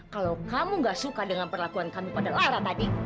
kalau kamu gak suka dengan perlakuan kami pada lara tadi